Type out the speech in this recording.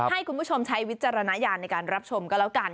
ให้คุณผู้ชมใช้วิจารณญาณในการรับชมก็แล้วกัน